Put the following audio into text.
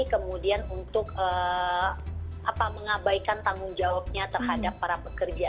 kemudian untuk mengabaikan tanggung jawabnya terhadap para pekerja